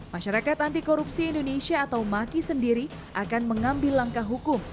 masyarakat anti korupsi indonesia atau maki sendiri akan mengambil langkah hukum